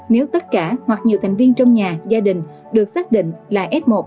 nếu tất cả hoặc nhiều thành viên trong nhà gia đình được xác định là f một